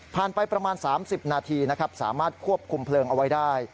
ผ่านไปประมาณ๓๐นาทีสามารถควบคุมเพลิงเอาไว้ได้